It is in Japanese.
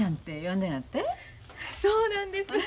そうなんです。